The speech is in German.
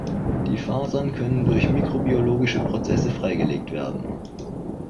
Die Fasern können durch mikrobiologische Prozesse freigelegt werden.